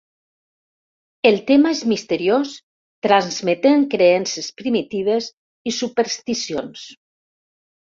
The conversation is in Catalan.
El tema és misteriós transmetent creences primitives i supersticions.